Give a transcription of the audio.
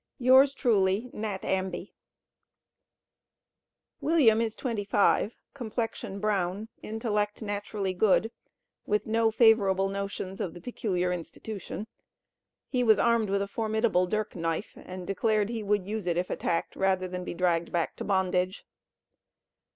Yours Truly NAT AMBIE. William is 25, complexion brown, intellect naturally good, with no favorable notions of the peculiar institution. He was armed with a formidable dirk knife, and declared he would use it if attacked, rather than be dragged back to bondage.